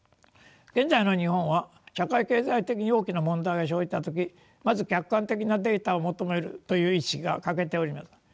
現在の日本は社会経済的に大きな問題が生じた時まず客観的なデータを求めるという意識が欠けております。